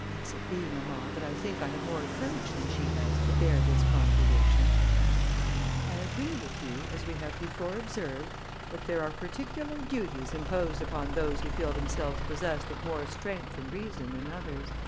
"Unless it be, mamma, that I think I have more courage than she has to bear this contradiction." "I agree with you, as we have before observed, that there are particular duties imposed upon those who feel themselves possessed of more strength and reason than others."